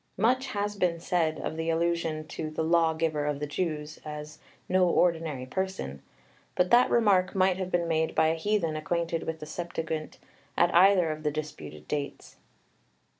Much has been said of the allusion to "the Lawgiver of the Jews" as "no ordinary person," but that remark might have been made by a heathen acquainted with the Septuagint, at either of the disputed dates.